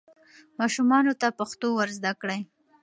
ماشومانو ته پښتو ور زده کړئ.